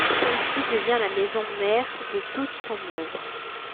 Celle-ci devient la maison-mère de toute son œuvre.